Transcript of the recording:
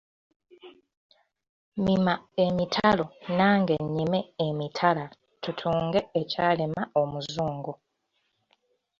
Mima emitalo nange nnyime emitala tutunge ekyalema omuzungu.